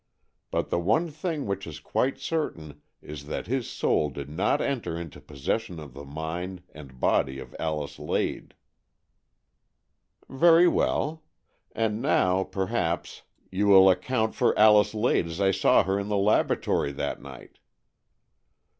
But the one thing which is quite certain is that his soul did not enter into possession of the mind and body of Alice Lade." "Very well. And now, perhaps, you will 228 AN EXCHANGE OF SOULS account for Alice Lade as I saw her in the laboratory that night."